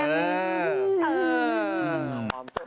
แฟน